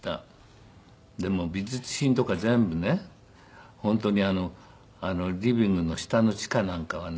でも美術品とか全部ね本当にリビングの下の地下なんかはね